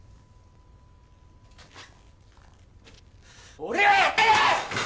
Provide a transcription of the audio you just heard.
俺はやってねえ！